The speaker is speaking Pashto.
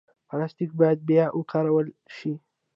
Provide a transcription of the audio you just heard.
پلاستيک باید بیا وکارول شي.